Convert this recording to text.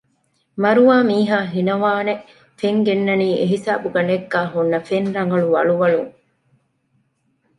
މަރުވާ މީހާ ހިނަވާނެ ފެން ގެންނަނީ އެހިސާބުގަނޑެއްގައި ހުންނަ ފެން ރަނގަޅު ވަޅުވަޅުން